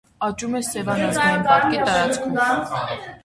Աճում է Սևան ազգային պարկի տարածքում։